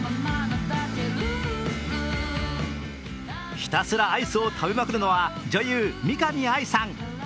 ひたすらアイスを食べまくるのは女優・見上愛さん。